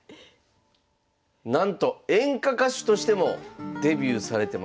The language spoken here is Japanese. なんと演歌歌手としてもデビューされてました。